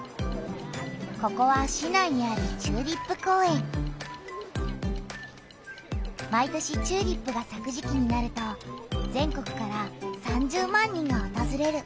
ここは市内にある毎年チューリップがさく時期になると全国から３０万人がおとずれる。